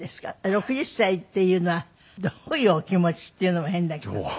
６０歳っていうのはどういうお気持ちっていうのも変だけど。